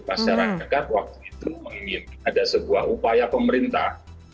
pasaran dekat waktu itu menginginkan ada sebuah upaya pemerintah